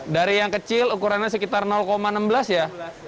dari yang kecil ukurannya sekitar enam belas ya